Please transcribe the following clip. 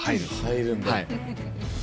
入るんだ。